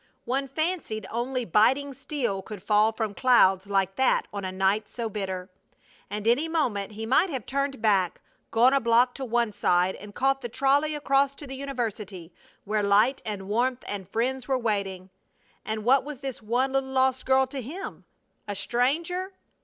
One fancied only biting steel could fall from clouds like that on a night so bitter. And any moment he might have turned back, gone a block to one side, and caught the trolley across to the university, where light and warmth and friends were waiting. And what was this one little lost girl to him? A stranger?